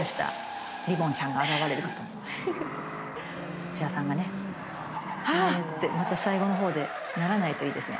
土屋さんがねまた最後のほうでならないといいですが。